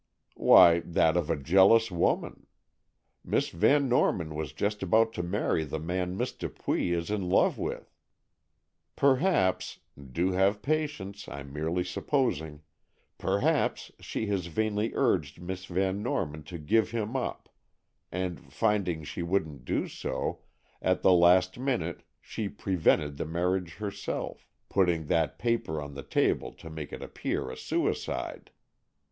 "Why, that of a jealous woman. Miss Van Norman was just about to marry the man Miss Dupuy is in love with. Perhaps—do have patience, I'm merely supposing—perhaps she has vainly urged Miss Van Norman to give him up, and, finding she wouldn't do so, at the last minute she prevented the marriage herself,—putting that paper on the table to make it appear a suicide.